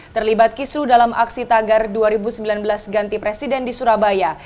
terlibat kisru dalam aksi tagar dua ribu sembilan belas ganti presiden di surabaya